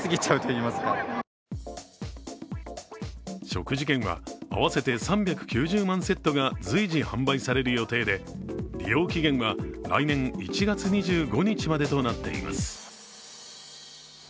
食事券は合わせて３９０万セットが随時販売される予定で利用期限は来年１月２５日までとなっています。